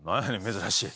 珍しい。